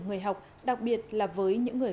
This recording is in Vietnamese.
người học đặc biệt là với những người